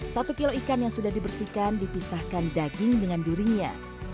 satu kilo ikan yang sudah dibersihkan dipisahkan daging dengan durinya